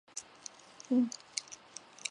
柯金斯基除执导本片外又兼任监制工作。